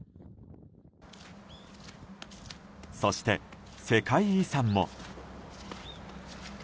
そして世界遺産も。